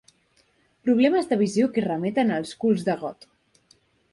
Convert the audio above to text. Problemes de visió que remeten als culs de got.